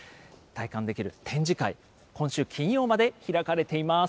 体感できる展示会、今週金曜まで開かれています。